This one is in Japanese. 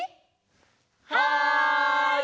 はい！